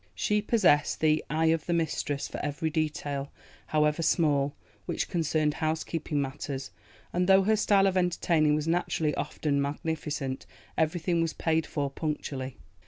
She possessed the 'eye of the mistress' for every detail, however small, which concerned housekeeping matters, and though her style of entertaining was naturally often magnificent, everything was paid for punctually.